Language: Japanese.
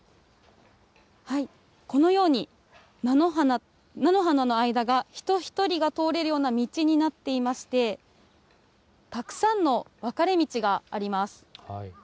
このように菜の花の間が人１人が通れるような道になっていまして、たくさんの分かれ道があります。